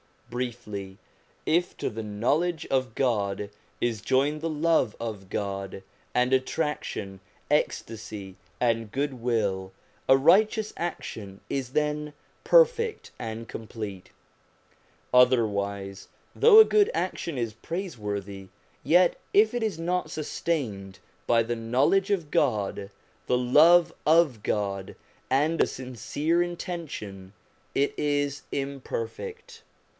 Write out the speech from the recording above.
Briefly, if to the knowledge of God is joined the love of God, and attraction, ecstasy, and goodwill, a righteous action is then perfect and complete. Other wise, though a good action is praiseworthy, yet if it is not sustained by the knowledge of God, the love of God, MISCELLANEOUS SUBJECTS 341 and a sincere intention, it is imperfect.